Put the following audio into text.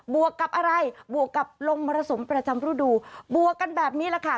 วกกับอะไรบวกกับลมมรสุมประจำรูดูบวกกันแบบนี้แหละค่ะ